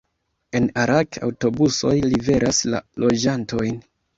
En Arak aŭtobusoj liveras la loĝantojn.